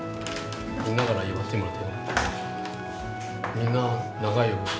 みんなから祝ってもらって。